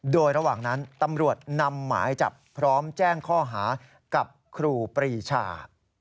โดยระหว่างนั้นตำรวจนำหมายจับพร้อมแจ้งข้อหากับครูปรีชา